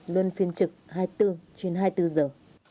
luân phiên trực hai mươi bốn trên hai mươi bốn giờ